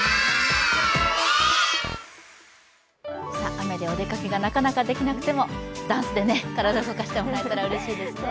雨でお出かけがなかなかできなくても、ダンスで体を動かせたらうれしいですね。